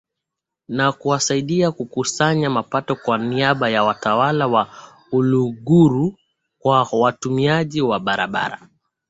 na kusaidia kukusanya mapato kwa niaba ya Watawala wa Uluguru kwa watumiaji wa barabara